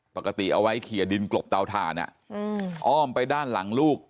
ปกติเอาไว้เขียดินกลบเตาถ่านอ้อมไปด้านหลังลูก